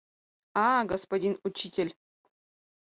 А-а, господин учитель!